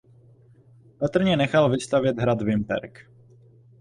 Patrně nechal vystavět hrad Vimperk.